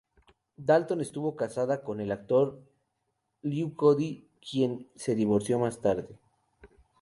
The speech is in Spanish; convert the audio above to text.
Dalton estuvo casada con el actor Lew Cody, de quien se divorció más tarde.